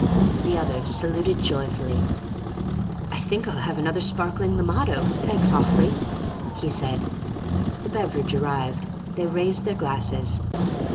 The other saluted joyfully. "I think I'll have another sparkling limado, thanks, awfully," he said. The beverage arrived. They raised their glasses.